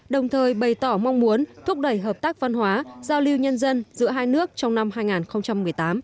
đồng thời bày tỏ mong muốn thúc đẩy hợp tác văn hóa giao lưu nhân dân giữa hai nước trong năm hai nghìn một mươi tám